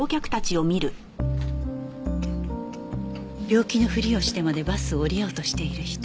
病気のふりをしてまでバスを降りようとしている人